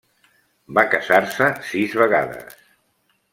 Va casar-se sis vegades.